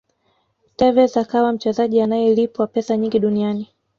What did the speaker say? tevez akawa mchezaji anayelipwa pesa nyingi duniani